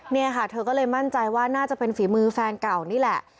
เนี่ยค่ะเธอก็เลยมั่นใจว่าน่าจะเป็นฝีมือแฟนเก่านี่แหละ